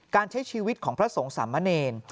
การใช้ชีวิตของพระสงฆ์สามเณร